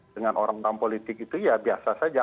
dengan orang orang politik itu ya biasa saja